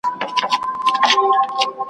ښکلې لکه ښاخ د شګوفې پر مځکه ګرځي ,